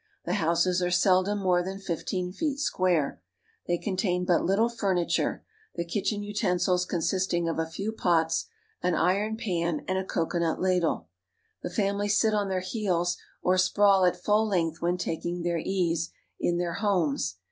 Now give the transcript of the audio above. The houses are seldom more than fifteen feet square. They contain but Httle furniture, A Malay Family. the kitchen utensils consisting of a few pots, an iron pan, and a coconut ladle. The family sit on their heels or sprawl at full length when taking their ease in their homes.